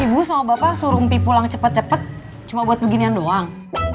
ibu sama bapak suruh empi pulang cepat cepat cuma buat beginian doang